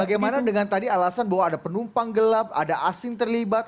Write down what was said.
bagaimana dengan tadi alasan bahwa ada penumpang gelap ada asing terlibat